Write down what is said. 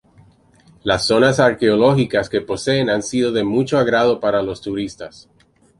Las zonas arqueológicas que poseen han sido de mucho agrado para los turistas.